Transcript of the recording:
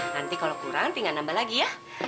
nanti kalau kurang tinggal nambah lagi ya